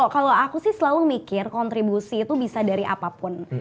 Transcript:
kalau aku sih selalu mikir kontribusi itu bisa dari apapun